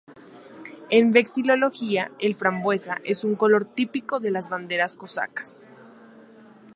En vexilología, el frambuesa es un color típico de las banderas cosacas.